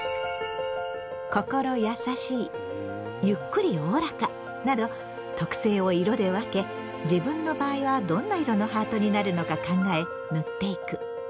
「心やさしい」「ゆっくりおおらか」など特性を色で分け自分の場合はどんな色のハートになるのか考え塗っていく。